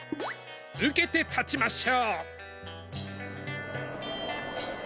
受けて立ちましょう！